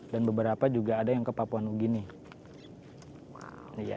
dan beberapa juga ada yang ke papua new guinea